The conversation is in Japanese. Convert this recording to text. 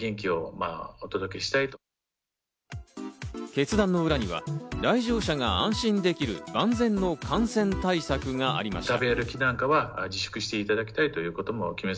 決断の裏には、来場者が安心できる万全の感染対策がありました。